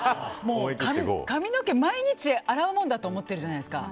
髪の毛を毎日洗うものだと思ってるじゃないですか。